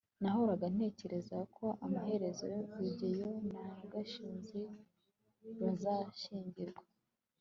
nahoraga ntekereza ko amaherezo rugeyo na gashinzi bazashyingirwa